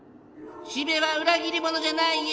四部は裏切り者じゃないよ。